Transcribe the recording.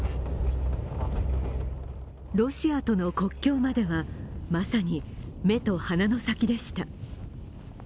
ロシアとの国境まではまさに目と鼻の先でした。